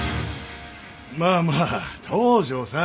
まあまあ東城さん。